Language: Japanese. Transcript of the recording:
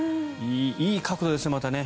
いい角度ですよね。